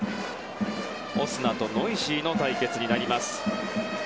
オスナとノイジーの対決になります。